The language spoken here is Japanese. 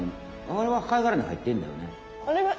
あれは貝がらにはいってんだよね。